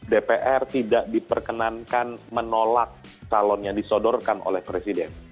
dpr tidak diperkenankan menolak calon yang disodorkan oleh presiden